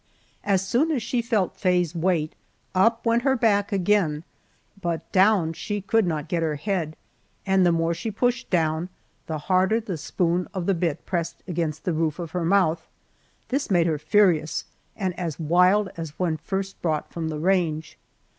As soon as she felt Faye's weight, up went her back again, but down she could not get her head, and the more she pushed down, the harder the spoon of the bit pressed against the roof of her mouth. This made her furious, and as wild as when first brought from the range.